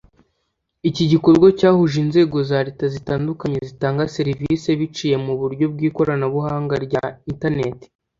Iki gikorwa cyahuje inzego za Leta zitandukanye zitanga serivisi biciye mu buryo bw’ikoramabuhanga rya internet